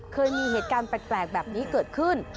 เคยมีเหตุการณ์แปลกแบบนี้เกิดขึ้น